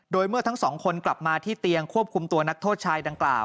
โดยเมื่อทั้งสองคนกลับมาที่เตียงควบคุมตัวนักโทษชายดังกล่าว